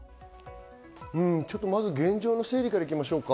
まず現状の整理からいきましょうか。